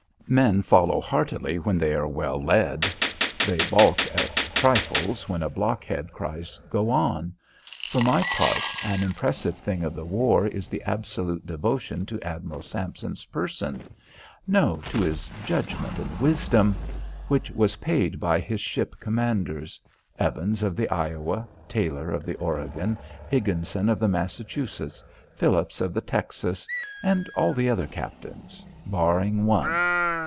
Men follow heartily when they are well led. They balk at trifles when a blockhead cries go on. For my part, an impressive thing of the war is the absolute devotion to Admiral Sampson's person no, to his judgment and wisdom which was paid by his ship commanders Evans of the Iowa, Taylor of the Oregon, Higginson of the Massachusetts, Phillips of the Texas, and all the other captains barring one.